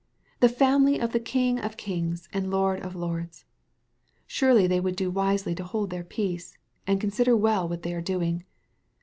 The family of the King of kings and Lord of lords ! Surely they would do wisely to hold their peace, and consider well what they are doing.